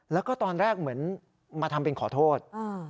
แล้วก็ตอนแรกเหมือนมาทำเป็นขอโทษ